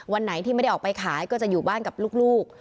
วันไหนที่ไม่ได้ออกไปขายก็จะอยู่บ้านกับลูก